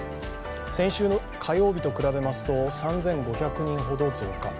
先週の火曜日と比べますと３５００人ほど増加。